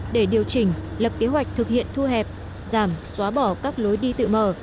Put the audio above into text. để điều chỉnh lập kế hoạch thực hiện thu hẹp giảm xóa bỏ các lối đi tự mở